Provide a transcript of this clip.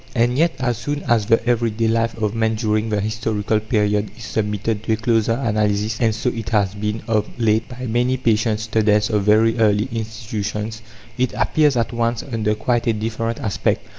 And yet, as soon as the every day life of man during the historical period is submitted to a closer analysis and so it has been, of late, by many patient students of very early institutions it appears at once under quite a different aspect.